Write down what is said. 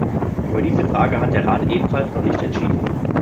Über diese Frage hat der Rat ebenfalls noch nicht entschieden.